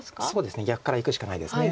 逆からいくしかないです。